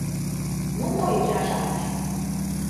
— Ну мо, йоча-шамыч...